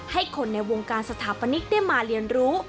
ให้คนในวงการสถาปนิกได้มาเรียนรู้